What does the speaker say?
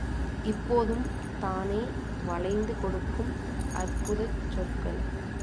இப்போதும் தானே வளைந்து கொடுக்கும் அற்புதச் சொற்கள்.!